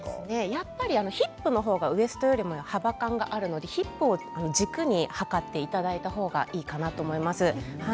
やっぱりヒップの方がウエストより幅感がありますのでヒップを軸に測ってもらった方がいいと思います。